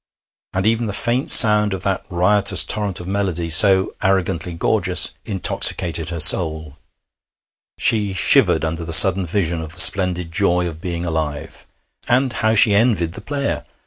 And even the faint sound of that riotous torrent of melody, so arrogantly gorgeous, intoxicated her soul. She shivered under the sudden vision of the splendid joy of being alive. And how she envied the player!